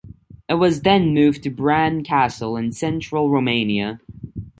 It was then moved to Bran Castle, in central Romania.